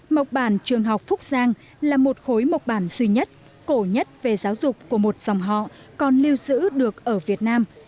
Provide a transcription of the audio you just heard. mộc bản trường học phúc giang là một khối mộc bản duy nhất cổ nhất về giáo dục của một dòng họ còn lưu giữ được ở việt nam